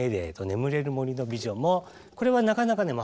「眠れる森の美女」もこれはなかなかね